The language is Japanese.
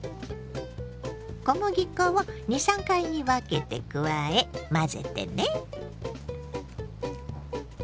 小麦粉を２３回に分けて加え混ぜてね。